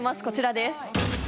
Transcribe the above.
こちらです。